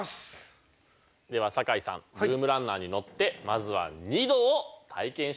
では酒井さんルームランナーに乗ってまずは２度を体験してみてください。